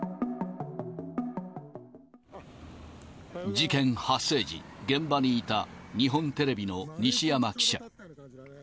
事件発生時、現場にいた日本テレビの西山記者。